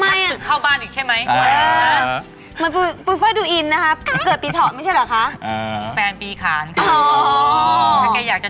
ทำไมแกอยากจะชักศึกเข้าบ้านอีกใช่ไหม